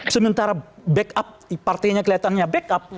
sementara backup partainya kelihatannya backup